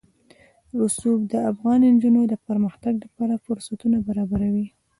رسوب د افغان نجونو د پرمختګ لپاره فرصتونه برابروي.